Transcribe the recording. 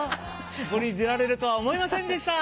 これに出られるとは思いませんでした。